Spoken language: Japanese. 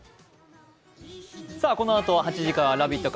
このあとは８時から「ラヴィット！」